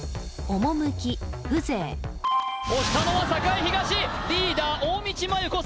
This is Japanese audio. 押したのは栄東リーダー・大道麻優子